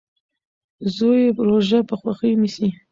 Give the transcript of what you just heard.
زوی یې روژه په خوښۍ نیسي.